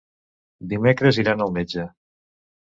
Dimecres iran al metge.